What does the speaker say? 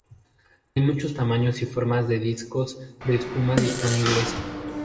Hay muchos tamaños y formas de discos de espuma disponibles.